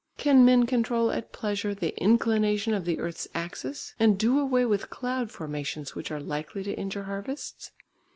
Can men control at pleasure the inclination of the earth's axis, and do away with cloud formations which are likely to injure harvests?